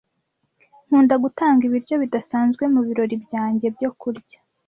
Nkunda gutanga ibiryo bidasanzwe mubirori byanjye byo kurya.